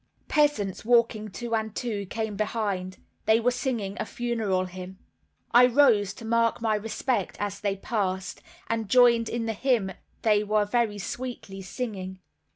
Peasants walking two and two came behind, they were singing a funeral hymn. I rose to mark my respect as they passed, and joined in the hymn they were very sweetly singing.